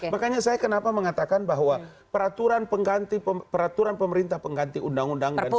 makanya saya kenapa mengatakan bahwa peraturan pemerintah pengganti undang undang dan sebagainya